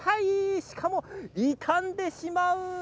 しかも、傷んでしまう。